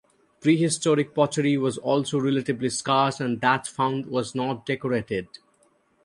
Prehistoric pottery was also relatively scarce and that found was not decorated.